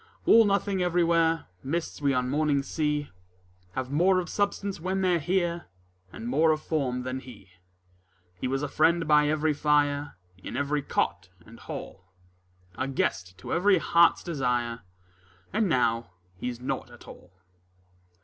All nothing everywhere: Mists we on mornings see Have more of substance when they're here And more of form than he. He was a friend by every fire, In every cot and hall A guest to every heart's desire, And now he's nought at all.